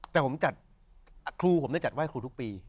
แต่ผมจัดครูผมได้จัดไห้ครูทุกปี